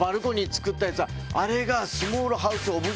あれが。